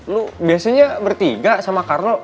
lo biasanya bertiga sama carlo